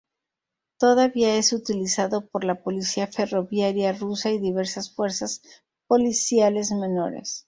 Todavía es utilizado por la Policía Ferroviaria rusa y diversas fuerzas policiales menores.